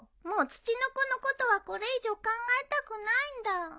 もうツチノコのことはこれ以上考えたくないんだ。